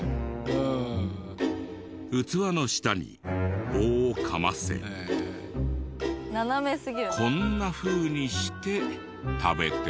器の下に棒をかませこんなふうにして食べていた。